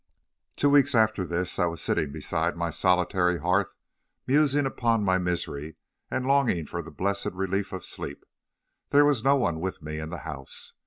"Two weeks after this I was sitting beside my solitary hearth, musing upon my misery and longing for the blessed relief of sleep. There was no one with me in the house.